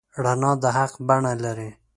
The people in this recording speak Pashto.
رڼا د حق بڼه لري.